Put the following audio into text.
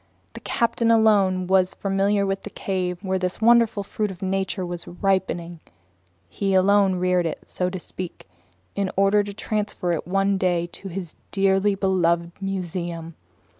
The captain alone was familiar with the cave where this wonderful fruit of nature was "ripening"; he alone reared it, so to speak, in order to transfer it one day to his dearly beloved museum.